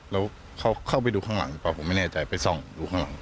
แล้วเขาเข้าไปดูข้างหลังหรือเปล่าผมไม่แน่ใจไปส่องดูข้างหลัง